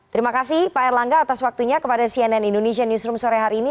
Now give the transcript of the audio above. terima kasih pak erlangga atas waktunya kepada cnn indonesia newsroom sore hari ini